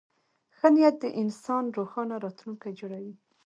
ښه نیت د انسان روښانه راتلونکی جوړوي.